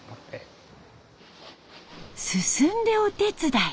進んでお手伝い。